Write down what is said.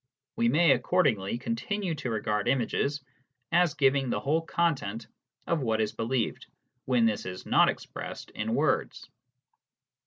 We may accordingly continue to regard images as giving the whole content of what is believed, when this is not expressed in words.